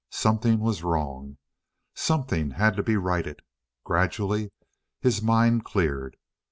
Something was wrong. Something had to be righted. Gradually his mind cleared.